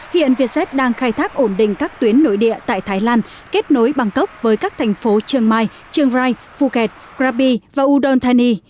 hiện vietjet đang khai thác ổn định các tuyến nội địa tại thái lan kết nối bangkok với các thành phố chiang mai chiang rai phuket krabi và udon thani